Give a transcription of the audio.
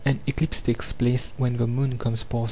Aneclipse takes place when the moon comes past.